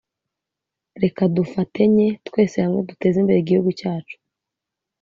Reka dufatenye twese hamwe duteze imbere igihugu cyacu